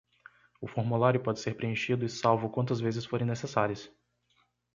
O formulário pode ser preenchido e salvo quantas vezes forem necessárias.